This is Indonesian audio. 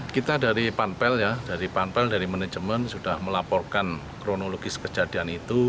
kita dari panpel ya dari panpel dari manajemen sudah melaporkan kronologis kejadian itu